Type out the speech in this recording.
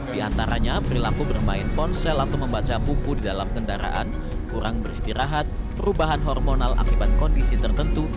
di antaranya perilaku bermain ponsel atau membaca buku di dalam kendaraan kurang beristirahat perubahan hormonal akibat kondisi tertentu